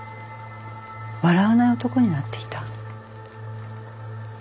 笑わない男になっていた。